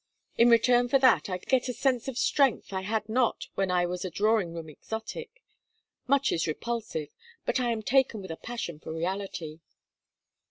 In return for that, I get a sense of strength I had not when I was a drawing room exotic. Much is repulsive. But I am taken with a passion for reality.'